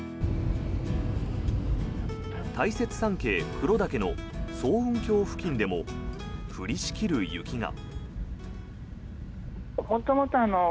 大雪山系黒岳の層雲峡付近でも降りしきる雪が。